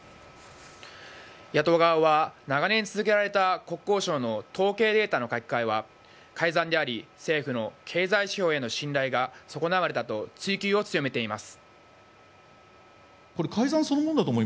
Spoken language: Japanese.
野党側は、長年続けられた国交省の統計データの書き換えは改ざんであり、政府の経済指標への信頼が損なわれたと追及を強めています。